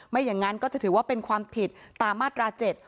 อย่างนั้นก็จะถือว่าเป็นความผิดตามมาตรา๗